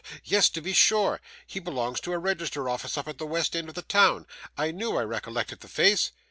yes, to be sure he belongs to a register office up at the west end of the town. I knew I recollected the face.